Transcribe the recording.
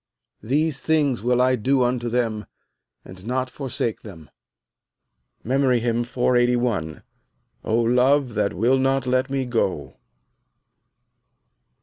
These things will I do unto them, and not forsake them." MEMORY HYMN _"O love that wilt not let me go."